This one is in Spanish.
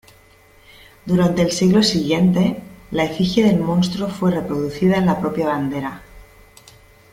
Durante el siglo siguiente, la efigie del monstruo fue reproducida en la propia bandera.